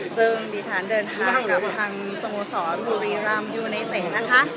ซึ่งดิฉันเดินทางกับทางสมสรตมีฤรัมด์ยูนีเตเตะนะคะ